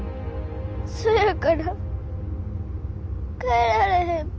そやから帰られへん。